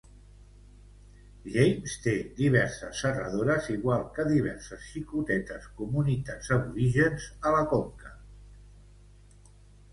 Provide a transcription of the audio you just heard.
James té diverses serradores igual que diverses xicotetes comunitats aborígens a la conca.